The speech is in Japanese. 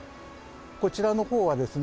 こちらの方はですね